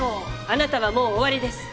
あなたはもう終わりです。